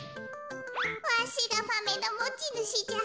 わしがマメのもちぬしじゃ。